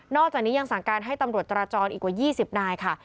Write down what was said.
อกจากนี้ยังสั่งการให้ตำรวจจราจรอีกกว่า๒๐นายค่ะ